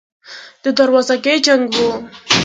د دروازګۍ جنګ و.